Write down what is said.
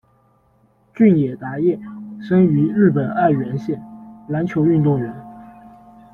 俊野达彦，生于日本爱媛县，篮球运动员。